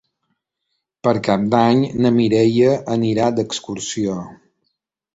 Per Cap d'Any na Mireia anirà d'excursió.